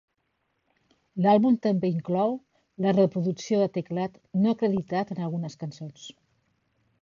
L'àlbum també inclou la reproducció de teclat no acreditat en algunes cançons.